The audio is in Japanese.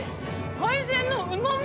海鮮のうまみ！